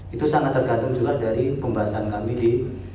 itu sangat tergantung juga dari pembahasan kami di